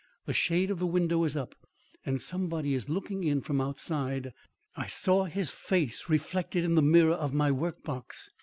The shade of the window is up, and somebody is looking in from outside. I saw his face reflected in the mirror of my work box.